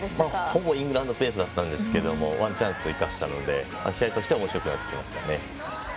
ほぼイングランドペースだったんですがワンチャンス生かしたので、試合としてはおもしろくなってきましたね。